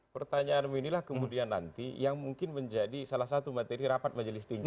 pertanyaan ini lah kemudian nanti yang mungkin menjadi salah satu materi rapat majelis tinjau